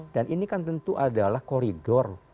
dan ini kan tentu adalah koridor